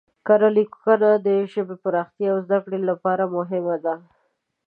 کره لیکنه د ژبې پراختیا او زده کړې لپاره مهمه ده.